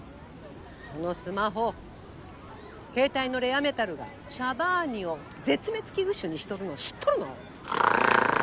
そのスマホ携帯のレアメタルがシャバーニを絶滅危惧種にしとるの知っとるの！？